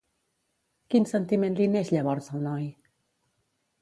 Quin sentiment li neix llavors al noi?